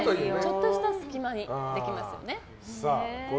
ちょっとした隙間にできますよね。